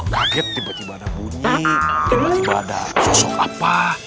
kaget tiba tiba ada bunyi tiba tiba ada sosok apa